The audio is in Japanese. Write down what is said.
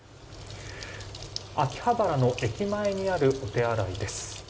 秋葉原の駅前にあるお手洗いです。